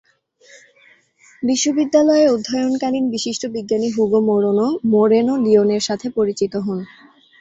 বিশ্ববিদ্যালয়ে অধ্যয়নকালীন বিশিষ্ট বিজ্ঞানী হুগো মোরেনো লিওনের সাথে পরিচিত হন।